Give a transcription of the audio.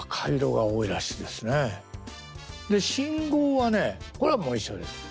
で信号はねこれはもう一緒です。